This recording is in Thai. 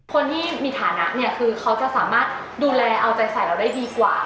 คนที่มีฐานะเนี่ยคือเขาจะสามารถดูแลเอาใจใส่เราได้ดีกว่า